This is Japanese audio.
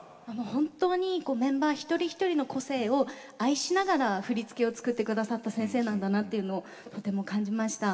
本当にメンバー一人一人の個性を愛しながら振り付けを作ってくださった先生なんだなというのをとても感じました。